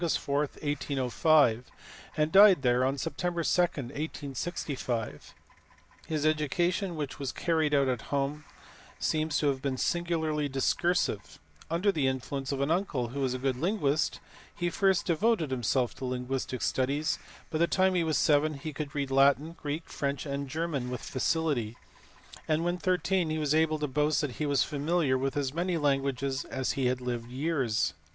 4, 1805, and died there on Sept. 2, 1865. His education, which was carried on at home, seems to have been singularly discursive : under the influence of an uncle who was a good linguist he first devoted himself to linguistic studies ; by the time he was seven he could read Latin, Greek, French, and German with facility ; and when thirteen he was able to boast that he was familiar with as many languages as he had lived years.